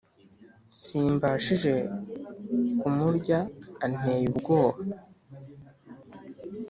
simbashije kumurya anteye ubwoba